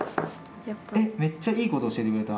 えっめっちゃいいこと教えてくれた。